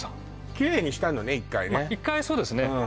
きれいにしたのね１回ね１回そうですね